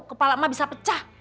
kepala emak bisa pecah